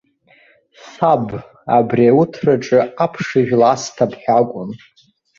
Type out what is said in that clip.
Саб, абри ауҭраҿы аԥшыжәла асҭап ҳәа акәын.